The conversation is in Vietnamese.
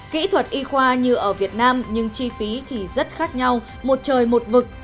kỹ thuật y khoa như ở việt nam nhưng chi phí thì rất khác nhau một trời một vực